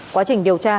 quá trình điều tra